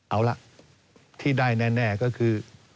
เอาล่ะที่ได้แน่ก็คือ